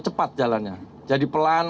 cepat jalannya jadi pelan